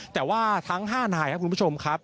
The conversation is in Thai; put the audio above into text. แต่ว่าทั้ง๕นายครับคุณผู้ชมครับ